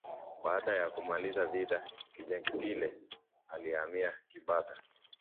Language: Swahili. baada ya kumalizika vita Kinjeketile alihamia Kibata